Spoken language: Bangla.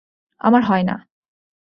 আমার হয় না।